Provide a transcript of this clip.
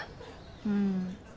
うん。